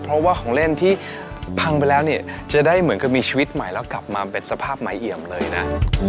เพราะว่าของเล่นที่พังไปแล้วเนี่ยจะได้เหมือนกับมีชีวิตใหม่แล้วกลับมาเป็นสภาพใหม่เอี่ยมเลยนะ